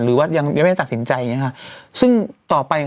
หรือยังไม่ได้ตัดสินใจ